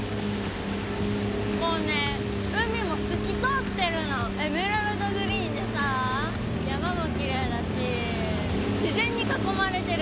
もうね海も透き通ってるのエメラルドグリーンでさ山もきれいだし自然に囲まれてる